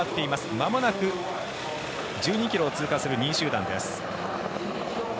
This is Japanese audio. まもなく１２ｋｍを通過する２位集団です。